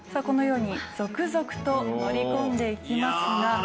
このように続々と乗り込んでいきますが。